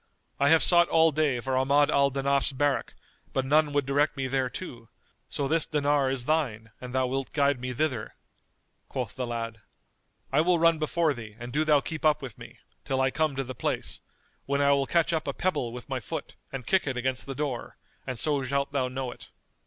I have sought all day for Ahmad al Danaf's barrack, but none would direct me thereto; so this dinar is thine an thou wilt guide me thither." Quoth the lad, "I will run before thee and do thou keep up with me, till I come to the place, when I will catch up a pebble with my foot[FN#224] and kick it against the door; and so shalt thou know it."